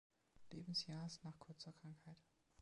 Lebensjahrs nach kurzer Krankheit.